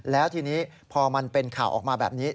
แล้วทีนี้พอมันเป็นข่าวออกมาแบบนี้